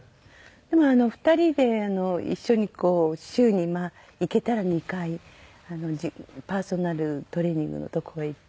でも２人で一緒にこう週に行けたら２回パーソナルトレーニングのとこへ行って。